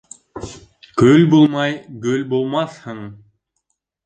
Көл булмай гөл булмаҫһың.